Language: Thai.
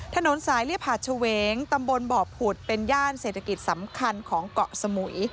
ถนนสายเรียบหาดเฉวงตำบลบ่อผุดเป็นย่านเศรษฐกิจสำคัญของเกาะสมุย